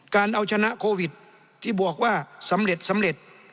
การเอาชนะโควิดที่บอกว่าสำเร็จสำเร็จ